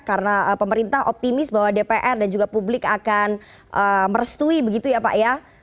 karena pemerintah optimis bahwa dpr dan juga publik akan merestui begitu ya pak ya